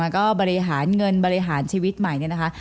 ก็บริหารเงินบริหารชีวิตใหม่เนี่ยนะคะ